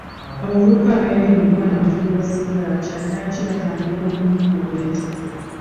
Abavubuka abalina emikwano egifuuwa sigala kyadaaki batandika okumufuweeta.